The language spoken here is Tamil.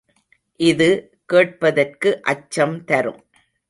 இது கேட்பதற்கு அச்சம் தரும்.